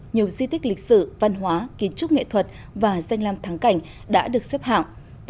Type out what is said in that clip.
nhiều di tích lịch sử văn hóa kiến trúc nghệ thuật và danh làm thắng cảnh đã được xếp hạng